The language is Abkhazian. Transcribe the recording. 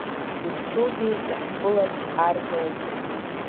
Дызцугьы иаҳԥылаз ар роуп.